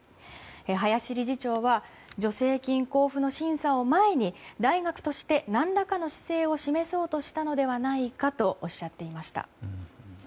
林理事長は助成金交付の審査を前に大学として何らかの姿勢を示そうとしたのではないかとおっしゃっていました。